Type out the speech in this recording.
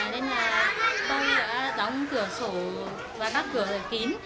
nên là tôi đã đóng cửa sổ và bắt cửa kín